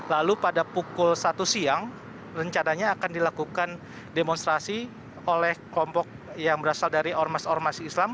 lalu pada pukul satu siang rencananya akan dilakukan demonstrasi oleh kelompok yang berasal dari ormas ormas islam